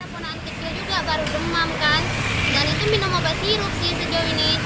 ponaan kecil juga baru demam kan dan itu minum obat sirup sih sejauh ini